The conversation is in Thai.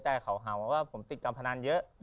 แต่เขาหามาว่าผมติดการพนันเยอะ